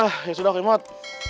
ah ya sudah oke mod